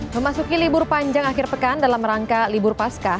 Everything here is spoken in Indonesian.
memasuki libur panjang akhir pekan dalam rangka libur pasca